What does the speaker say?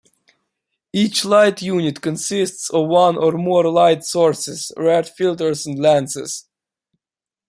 Each light unit consists of one or more light sources, red filters and lenses.